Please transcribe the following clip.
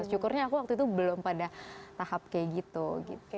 syukurnya aku waktu itu belum pada tahap kayak gitu gitu